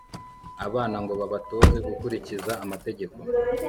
abana ngo babatoze gukurikiza amategeko